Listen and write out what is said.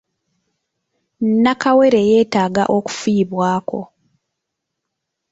Nakawere yeetaaga okufiibwako.